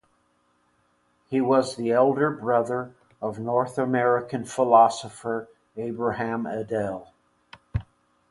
He was the elder brother of North American philosopher Abraham Edel.